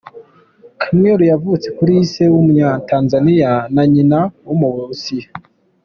Kamwelu yavutse kuri se w’Umunya-Tanzanian na nyina wo mu Burusiya.